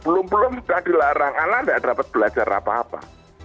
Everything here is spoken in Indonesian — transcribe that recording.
belum belum sudah dilarang anak tidak dapat belajar apa apa